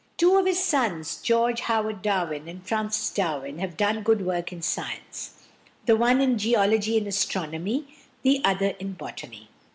Two of his sons, George Howard Darwin and Francis Darwin, have done good work in science, the one in geology and astronomy, the other in botany.